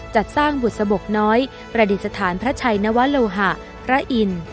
จัดสร้างบุษบกน้อยประดิษฐานพระชัยนวโลหะพระอินทร์